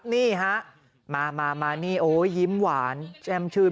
นี่ฮะมามานี่โอ้ยยิ้มหวานแช่มชื่น